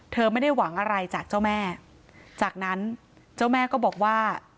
ไม่ได้หวังอะไรจากเจ้าแม่จากนั้นเจ้าแม่ก็บอกว่า